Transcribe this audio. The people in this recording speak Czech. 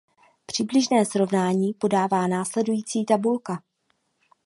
Přibližné srovnání podává následující tabulka.